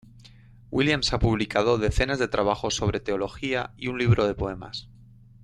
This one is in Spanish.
Williams ha publicado decenas de trabajos sobre teología y un libro de poemas.